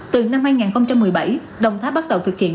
từ năm hai nghìn một mươi bảy đồng tháp bắt đầu thực hiện